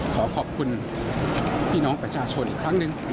ขอขอบคุณพี่น้องประชาชนอีกครั้งหนึ่ง